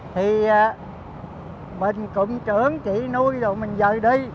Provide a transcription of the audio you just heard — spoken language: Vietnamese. thì mình cụm trưởng trị nuôi rồi mình dời đi